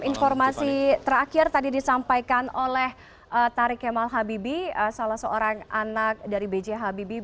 informasi terakhir tadi disampaikan oleh tari kemal habibie salah seorang anak dari b j habibie